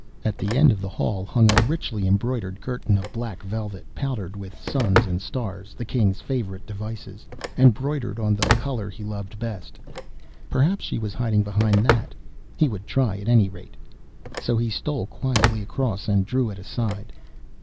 At the end of the hall hung a richly embroidered curtain of black velvet, powdered with suns and stars, the King's favourite devices, and broidered on the colour he loved best. Perhaps she was hiding behind that? He would try at any rate. So he stole quietly across, and drew it aside.